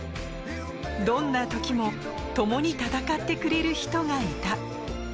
どんな時も、共に戦ってくれる人がいた。